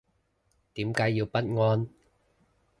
點解要不安